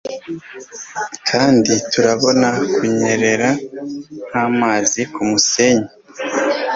Kandi turabona kunyerera nkamazi kumusenyi